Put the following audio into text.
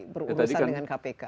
berurusan dengan kpk